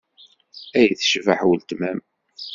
Ay tecbeḥ uletma-m!